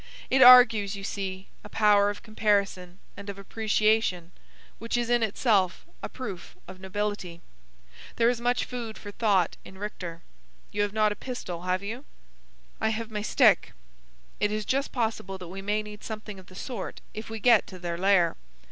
It argues, you see, a power of comparison and of appreciation which is in itself a proof of nobility. There is much food for thought in Richter. You have not a pistol, have you?" "I have my stick." "It is just possible that we may need something of the sort if we get to their lair.